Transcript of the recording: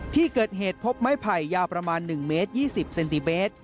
ที่เกิดเหตุพบไม้ไผ่ยาวประมาณหนึ่งเมตรยี่สิบเซนติเบต